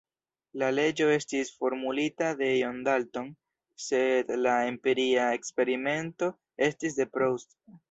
La leĝo estis formulita de John Dalton, sed la empiria eksperimento estis de Proust.